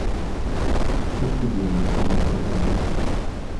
Сопуху в ямі занадто багато.